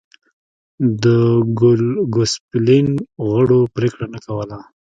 د ګوسپلین غړو پرېکړه نه کوله